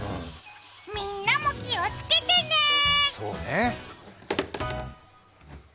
みんなも気をつけてね。